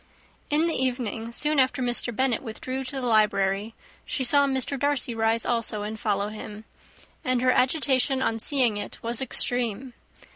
In the evening, soon after Mr. Bennet withdrew to the library, she saw Mr. Darcy rise also and follow him, and her agitation on seeing it was extreme.